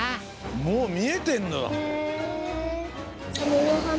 もうみえてんの。